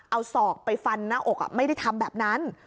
เอาศอกไปฟันหน้าอกไม่ได้ทำแบบนั้น